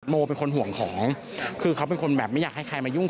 โมเป็นคนห่วงของคือเขาเป็นคนแบบไม่อยากให้ใครมายุ่ง